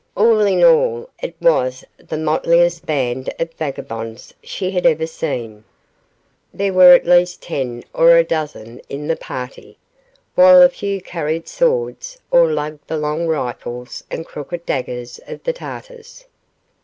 All in all, it was the motliest band of vagabonds she had ever seen. There were at least ten or a dozen in the party. While a few carried swords, all lugged the long rifles and crooked daggers of the Tartars.